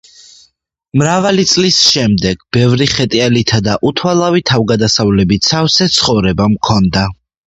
მრავალი წლის შემდეგ, ბევრი ხეტიალითა და უთვალავი თავგადასავლებით სავსე ცხოვრება მქონდა.